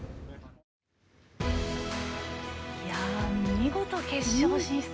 見事、決勝進出。